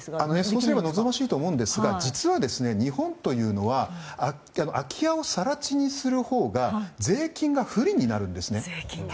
それが望ましいんですが実は日本というのは空き家を更地にするほうが税金が不利になるんですね。